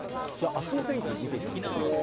あすの天気、見ていきましょうか。